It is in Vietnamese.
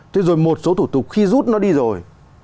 thế rồi một số thủ tục khi rút nó đi rồi